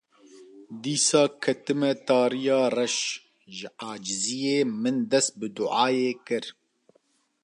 Dîsa ketime tariya reş, ji eciziyê min dest bi duayê kir